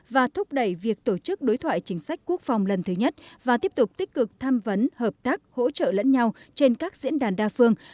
và thúc đẩy việc tổ chức đối thoại chính sách quốc phòng lần thứ nhất và tiếp tục tích cực tham vấn hợp tác hỗ trợ lẫn nhau trên các diễn đàn đa phương